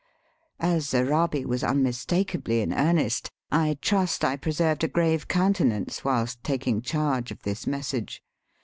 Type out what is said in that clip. As Arabi was unmistakably in earnest, I trust I preserved a grave countenance whilst taking charge of this message.